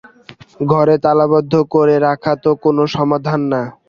ঘরে তালাবন্ধ করে রাখা তো কোনো সমাধান না।